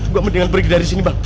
gue mendingan break dari sini bang